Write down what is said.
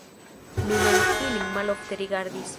Mi mem ilin malofte rigardis.